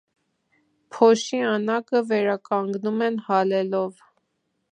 Փոշի անագը վերականգնում են հալելով։